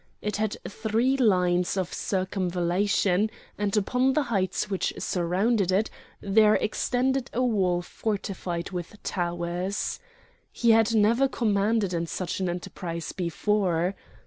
It had three lines of circumvallation, and upon the heights which surrounded it there extended a wall fortified with towers. He had never commanded in such an enterprise before.